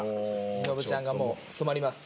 忍ちゃんがもう染まります。